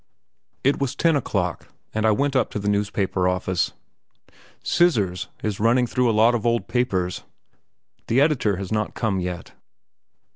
It was ten o'clock, and I went up to the newspaper office. "Scissors" is running through a lot of old papers. The editor has not come yet.